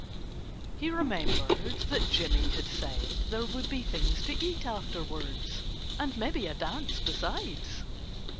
He remembered that Jimmy had said there would be things to eat afterwards and maybe a dance, besides.